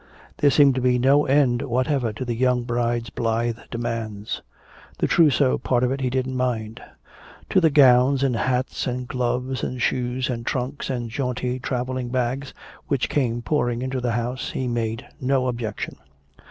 There seemed to be no end whatever to the young bride's blithe demands. The trousseau part of it he didn't mind. To the gowns and hats and gloves and shoes and trunks and jaunty travelling bags which came pouring into the house, he made no objection.